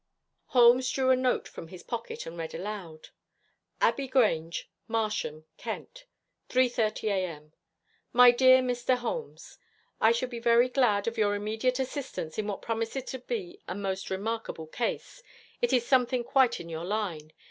Holmes drew a note from his pocket, and read aloud: Abbey Grange, Marsham, Kent 3:30 A.M. My Dear Mr. Holmes: I should be very glad of your immediate assistance in what promises to be a most remarkable case. It is something quite in your line.